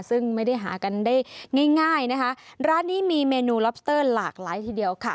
ซึ่งไม่ได้หากันได้ง่ายง่ายนะคะร้านนี้มีเมนูล็อบสเตอร์หลากหลายทีเดียวค่ะ